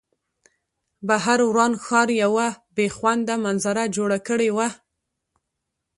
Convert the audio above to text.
بهر وران ښار یوه بې خونده منظره جوړه کړې وه